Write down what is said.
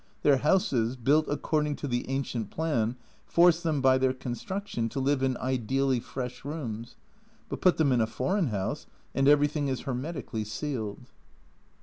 Their houses, built according to the ancient plan, force them, by their construction, to live in ideally fresh rooms, but put them in a foreign house, and everything is hermeti cally sealed.